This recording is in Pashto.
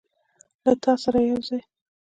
له تا سره یوځای